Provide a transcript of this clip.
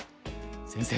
先生